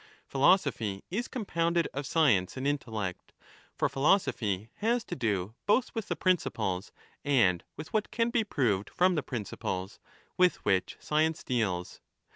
Philosophy is compounded of science and intellect. For philosophy has to do both with the principles and with what can be proved from the principles, with which science 25 deals.